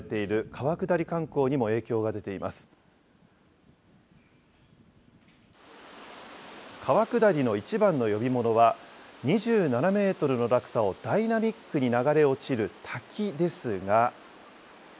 川下りの一番の呼び物は、２７メートルの落差をダイナミックに流れ落ちる滝ですが。